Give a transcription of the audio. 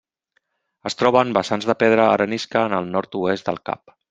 Es troba en vessants de pedra arenisca en el nord-oest del cap.